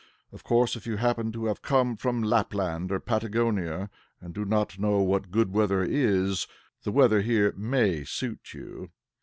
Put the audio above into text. Of course, if you happen to have come from Lapland or Patagonia, and do not know what good weather is, the weather here may suit you.